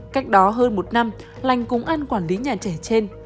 cách đó hơn một năm lành cùng ăn quản lý nhà trẻ trên